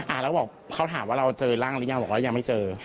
แล้วบอกเขาถามว่าเราเจอร่างหรือยังบอกว่ายังไม่เจอ